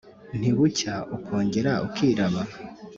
ntibucya ukongera ukiraba